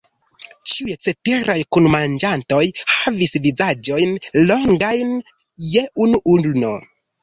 Ĉiuj ceteraj kunmanĝantoj havis vizaĝojn longajn je unu ulno.